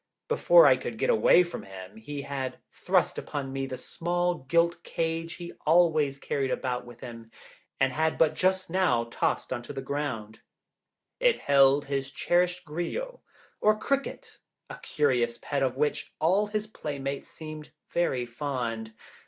Before I could get away from him, he had thrust upon me the small gilt cage he always carried about with him, and had but just now tossed on the ground. It held his cherished 'grillo,' or cricket, a curious pet of which all his playmates seemed very fond.